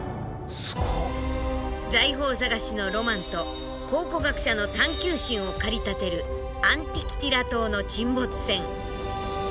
財宝探しのロマンと考古学者の探求心を駆り立てるアンティキティラ島の沈没船。